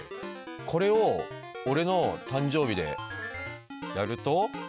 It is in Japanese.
これを俺の誕生日でやると。